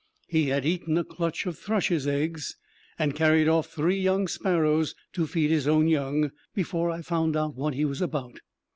He had eaten a clutch of thrush's eggs, and carried off three young sparrows to feed his own young, before I found out what he was about.